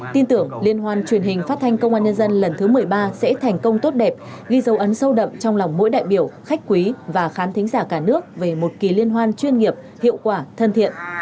tin tưởng liên hoan truyền hình phát thanh công an nhân dân lần thứ một mươi ba sẽ thành công tốt đẹp ghi dấu ấn sâu đậm trong lòng mỗi đại biểu khách quý và khán thính giả cả nước về một kỳ liên hoan chuyên nghiệp hiệu quả thân thiện